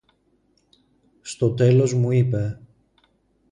Στο τέλος μου είπε: